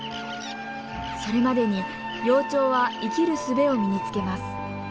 それまでに幼鳥は生きるすべを身につけます。